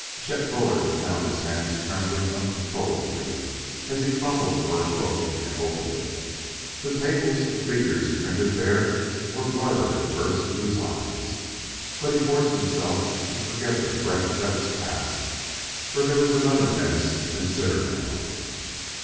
Chet Bullard found his hands trembling uncontrollably as he fumbled for a book and opened it. The tables of figures printed there were blurred at first to his eyes, but he forced himself to forget the threat that was past, for there was another menace to consider now.